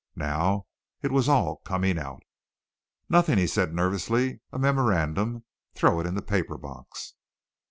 Now it was all coming out. "Nothing," he said nervously. "A memorandum. Throw it in the paper box."